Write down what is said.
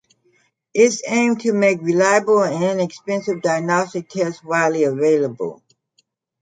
Its aim is to make reliable and inexpensive diagnostic tests widely available.